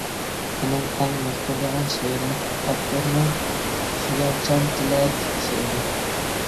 -مېنىڭ ئەڭ ياقتۇرىدىغان شېئىرىم ئاپتورنىڭ «خىيالچان تىلەك» شېئىرى.